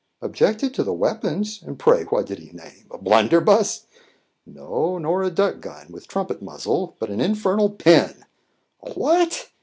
"Objected to the weapons! And, pray, what did he name? A blunderbuss?" "No; nor a duck gun, with trumpet muzzle; but an infernal pen!" "A what?"